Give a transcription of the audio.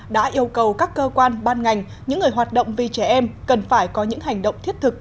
đã yêu cầu các cơ quan ban ngành những người hoạt động vì trẻ em cần phải có những hành động thiết thực